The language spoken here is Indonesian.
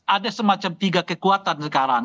ada semacam tiga kekuatan sekarang